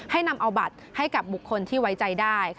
ให้นำเอาบัตรให้กับบุคคลที่ไว้ใจได้